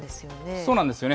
そうなんですよね。